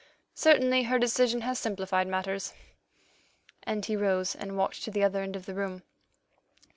Certainly her decision has simplified matters," and he rose and walked to the other end of the room.